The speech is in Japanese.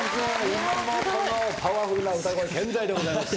今もこのパワフルな歌声健在でございます。